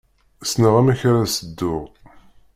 Ssneɣ amek ara s-dduɣ.